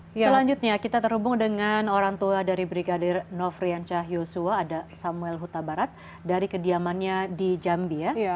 selanjutnya kita terhubung dengan orang tua dari brigadir nofrian cahyosua ada samuel huta barat dari kediamannya di jambi ya